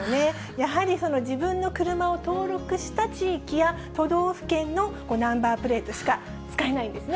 やはり自分の車を登録した地域や、都道府県のナンバープレートしか使えないんですね。